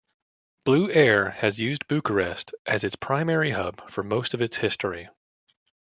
Blue Air has used Bucharest as its primary hub for most of its history.